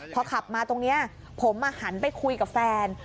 พอขับมาตรงนี้ผมหันไปคุยกับแฟน